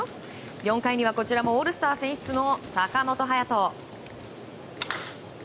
４回にはこちらもオールスター選出の坂本勇人。